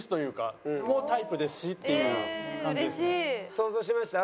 想像しました？